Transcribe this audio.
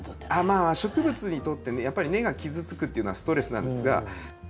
まあ植物にとってやっぱり根が傷つくっていうのはストレスなんですが。